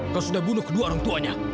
kau sudah bunuh kedua orang tuanya